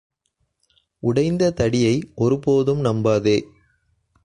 உடைந்த தடியை ஒரு போதும் நம்பாதே.